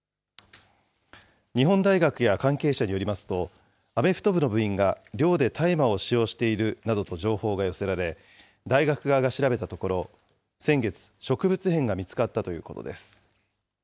日本大学や関係者によりますと、アメフト部の部員が寮で大麻を使用しているなどと情報が寄せられ、大学側が調べたところ、先月、植物片が見つかったということです。